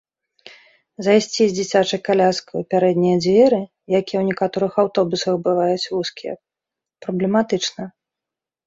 Зайсці з дзіцячай каляскай у пярэднія дзверы, якія ў некаторых аўтобусах бываюць вузкія, праблематычна.